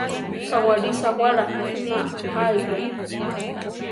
Kawáli sawála naáiru.